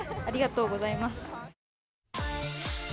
ありがとうございます。